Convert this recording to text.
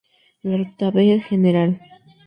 La Ruta V “Gral.